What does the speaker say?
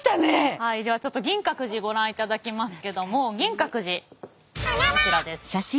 はいではちょっと銀閣寺ご覧いただきますけども銀閣寺こちらです。